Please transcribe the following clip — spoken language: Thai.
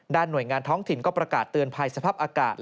หน่วยงานท้องถิ่นก็ประกาศเตือนภัยสภาพอากาศ